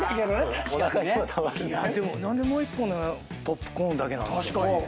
でも何でもう１個ポップコーンだけなんでしょうね？